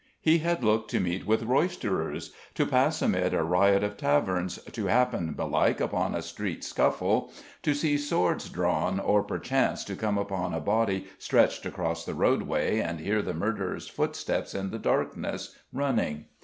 He had looked to meet with roisterers, to pass amid a riot of taverns, to happen, belike, upon a street scuffle, to see swords drawn or perchance to come upon a body stretched across the roadway and hear the murderers' footsteps in the darkness, running.